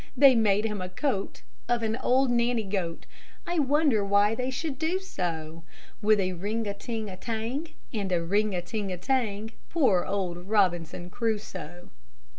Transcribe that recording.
They made him a coat Of an old Nanny goat. I wonder why they should do so! With a ring a ting tang, And a ring a ting tang, Poor old Robinson Crusoe!